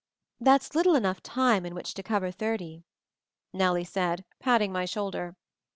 "That's little enough time in which to cover thirty," Nellie said, patting my shoulder.